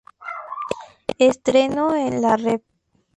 Estreno en la Rep.